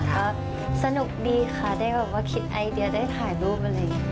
ก็สนุกดีค่ะได้แบบว่าคิดไอเดียได้ถ่ายรูปอะไรอย่างนี้